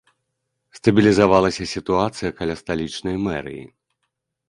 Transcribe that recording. Стабілізавалася сітуацыя каля сталічнай мэрыі.